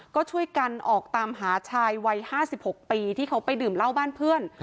ก็ช่วยกันออกตามหาชายวัย๕๖ปีที่เขาไปดื่มเหล้าบ้านเพื่อน